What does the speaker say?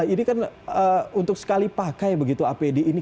ini kan untuk sekali pakai begitu apd ini